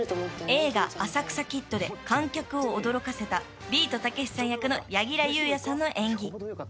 ［映画『浅草キッド』で観客を驚かせたビートたけしさん役の柳楽優弥さんの演技］